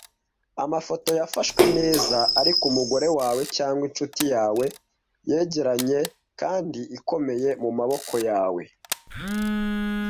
Amafoto yafashwe neza-ariko umugore wawe cyangwa inshuti yawe yegeranye kandi ikomeye mumaboko yawe?